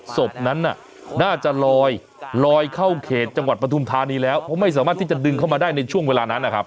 ศพนั้นน่ะน่าจะลอยลอยเข้าเขตจังหวัดปฐุมธานีแล้วเพราะไม่สามารถที่จะดึงเข้ามาได้ในช่วงเวลานั้นนะครับ